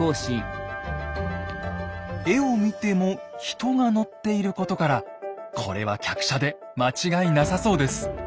絵を見ても人が乗っていることからこれは客車で間違いなさそうです。